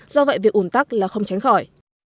do vậy việc ủn tắc là không tránh khỏi